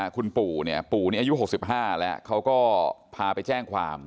คุณปู่เนี่ยปู่นี้อายุ๖๕แล้วเขาก็พาไปแจ้งความ